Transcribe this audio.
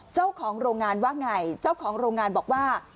เจ้าของโรงงานว่าไงเจ้าของโรงงานบอกว่า